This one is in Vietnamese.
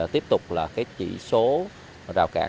tiếp tục là chỉ số rào cản